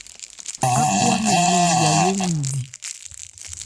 Ákwámɛn nɔn Yayó wɛn di.